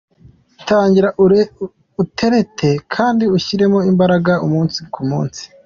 Tangira uterete kandi ushyiremo imbaraga umunsi ku munsi.